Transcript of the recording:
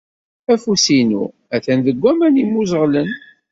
Afus-inu atan deg waman yemmuẓeɣlen.